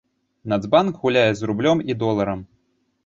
Нацбанк гуляе з рублём і доларам.